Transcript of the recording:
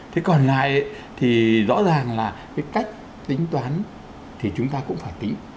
thế còn lại thì rõ ràng là cái cách tính toán thì chúng ta cũng phải tính